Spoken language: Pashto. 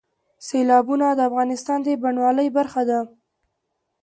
سیلابونه د افغانستان د بڼوالۍ برخه ده.